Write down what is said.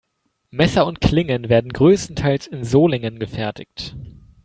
Messer und Klingen werden größtenteils in Solingen gefertigt.